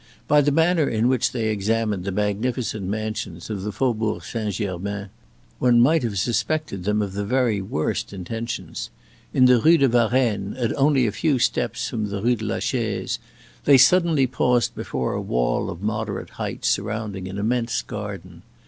By the manner in which they examined the magnificent mansions of the Faubourg Saint German, one might have suspected them of the very worst intentions. In the Rue de Varrennes, at only a few steps from the Rue de la Chaise, they suddenly paused before a wall of moderate height surrounding an immense garden.